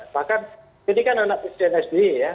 bahkan jadi kan anak presiden sde ya